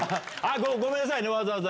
ごめんなさいねわざわざ。